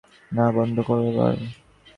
না, বন্ধ করো এবার।